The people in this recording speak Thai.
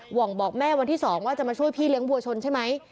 ว่องบอกแม่วันที่๒ว่าจะมาช่วยพี่เลี้ยวัวชนใช่ไหม